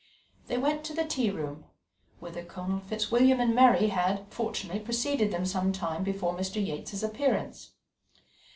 They went to the tea room, whither Colonel Fitzwilliam and Mary had, fortunately, preceded them some time before Mr. Yates's appearance.